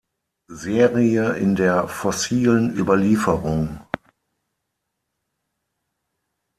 Serie in der fossilen Überlieferung.